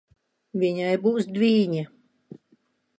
Viņai būs dvīņi.